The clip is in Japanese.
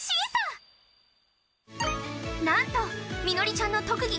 なんとミノリちゃんの特技